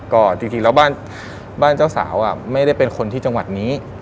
ก็จริงแล้วบ้านเจ้าสาวไม่ได้เป็นคนที่จังหวัดนี้